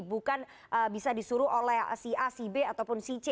bukan bisa disuruh oleh si a si b ataupun si c